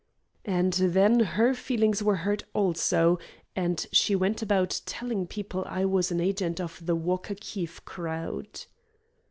And then her feelings were hurt also, and she went about telling people I was an agent of the Walker Keefe crowd.